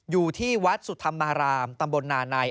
อยู่ที่วัดสุธรรมารามตำบลนาใน